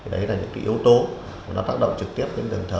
đấy là những yếu tố nó tác động trực tiếp đến đường thở